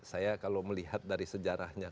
saya kalau melihat dari sejarahnya